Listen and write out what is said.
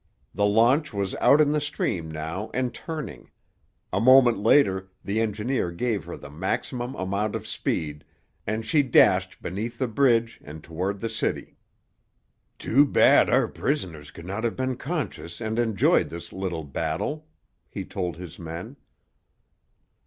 The launch was out in the stream now and turning; a moment later the engineer gave her the maximum amount of speed, and she dashed beneath the bridge and toward the city. "Too bad our prisoners could not have been conscious and enjoyed this little battle," he told his men.